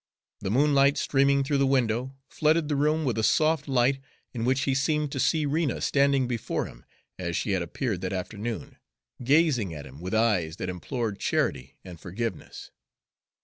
The moonlight, streaming through the window, flooded the room with a soft light, in which he seemed to see Rena standing before him, as she had appeared that afternoon, gazing at him with eyes that implored charity and forgiveness.